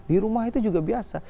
di rumah itu juga biasa